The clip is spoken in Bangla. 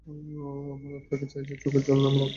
আমরা তাকে চাই, যে চোখের জল নয়, রক্ত ঝড়াবে।